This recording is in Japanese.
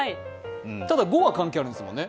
ただ５は関係あるんですもんね。